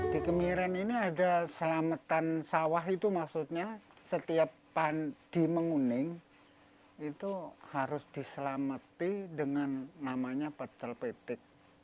di kemiren ini ada selamatan sawah itu maksudnya setiap pandi menguning itu harus diselamati dengan namanya pecel petik